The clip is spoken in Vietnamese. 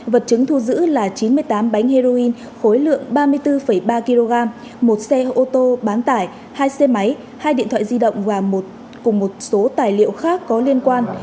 vật chứng thu giữ là chín mươi tám bánh heroin khối lượng ba mươi bốn ba kg một xe ô tô bán tải hai xe máy hai điện thoại di động và cùng một số tài liệu khác có liên quan